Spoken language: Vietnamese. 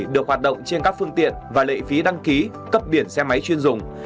được hoạt động trên các phương tiện và lệ phí đăng ký cấp biển xe máy chuyên dùng